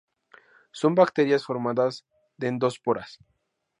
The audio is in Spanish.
Son bacterias formadoras de endosporas.